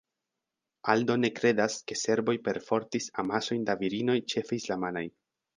Aldo ne kredas, ke serboj perfortis amasojn da virinoj ĉefe islamanaj.